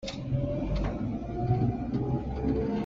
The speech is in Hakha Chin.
An pawrhnak nih a lung a puam ter.